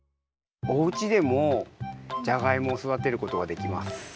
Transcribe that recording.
おうちでもじゃがいもをそだてることができます。